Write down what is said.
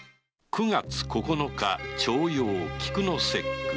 九月九日重陽菊の節句。